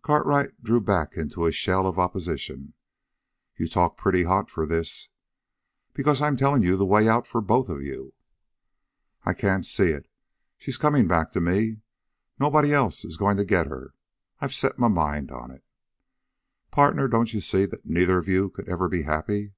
Cartwright drew back into a shell of opposition. "You talk pretty hot for this." "Because I'm telling you the way out for both of you." "I can't see it. She's coming back to me. Nobody else is going to get her. I've set my mind on it!" "Partner, don't you see that neither of you could ever be happy?"